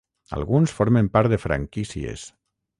Alguns formen part de franquícies.